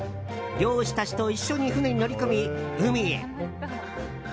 漁師たちと一緒に船に乗り込み海へ。